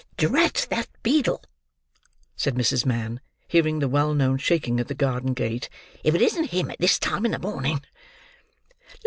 "Drat that beadle!" said Mrs. Mann, hearing the well known shaking at the garden gate. "If it isn't him at this time in the morning!